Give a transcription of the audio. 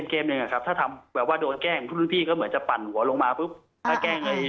กึ่งจะเป็นเกมใช่มั้ย